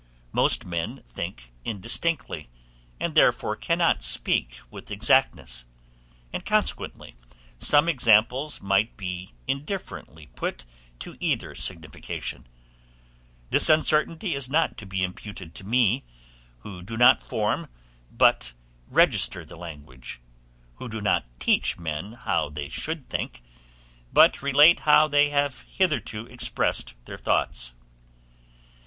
Most men think indistinctly, and therefore cannot speak with exactness; and consequently some examples might be indifferently put to either signification: this uncertainty is not to be imputed to me, who do not form, but register the language; who do not teach men how they should think, but relate how they have hitherto expressed their thoughts.